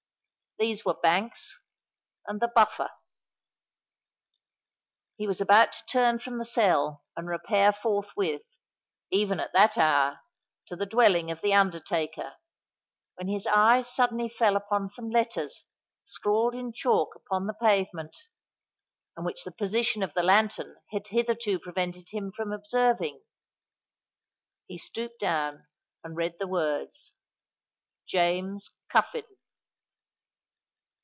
These were Banks and the Buffer. He was about to turn from the cell, and repair forthwith—even at that hour—to the dwelling of the undertaker, when his eyes suddenly fell upon some letters scrawled in chalk upon the pavement, and which the position of the lantern had hitherto prevented him from observing. He stooped down, and read the words—"JAMES CUFFIN."